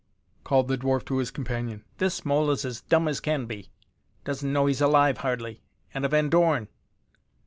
called the dwarf to his companion, "this mole is as dumb as can be. Doesn't know he's alive hardly. And a Van Dorn!"